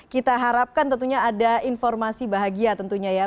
kita harapkan tentunya ada informasi bahagia tentunya ya